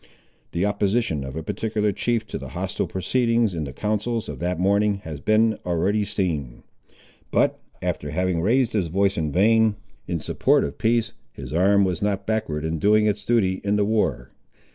The opposition of a particular chief to the hostile proceedings in the councils of that morning has been already seen. But, after having raised his voice in vain, in support of peace, his arm was not backward in doing its duty in the war.